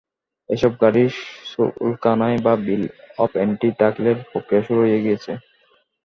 এসব গাড়ির শুল্কায়ন বা বিল অব এন্ট্রি দাখিলের প্রক্রিয়া শুরু হয়ে গেছে।